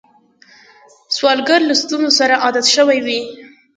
سوالګر له ستونزو سره عادت شوی وي